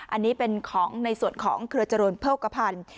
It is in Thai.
อันนี้เป็นของในส่วนของเครือจรูนเพิกภัณฑ์